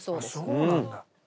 そうなんだ。